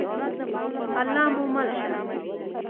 الله مو مل شه؟